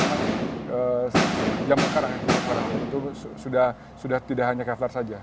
zaman sekarang itu sudah tidak hanya kevlar saja